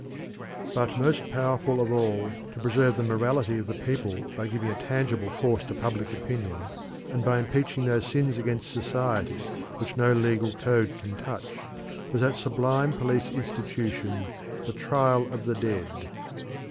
But most powerful of all, to preserve the morality of the people by giving a tangible force to public opinion, and by impeaching those sins against society which no legal code can touch, was that sublime police institution the "Trial of the Dead."